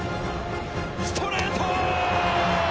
ストレート！！